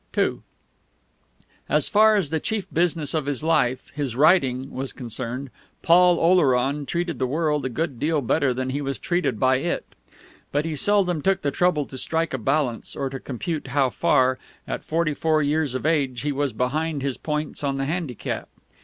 II As far as the chief business of his life his writing was concerned, Paul Oleron treated the world a good deal better than he was treated by it; but he seldom took the trouble to strike a balance, or to compute how far, at forty four years of age, he was behind his points on the handicap.